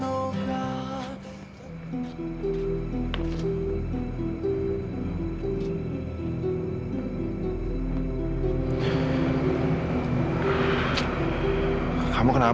atau pergi kemana deh